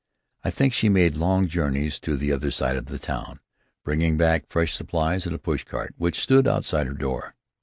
I think she made long journeys to the other side of the town, bringing back fresh supplies in a pushcart which stood outside her door.